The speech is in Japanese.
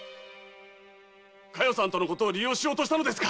佳代さんとのことを利用しようとしたのですか！